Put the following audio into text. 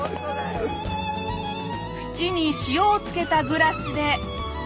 フチに塩をつけたグラスで。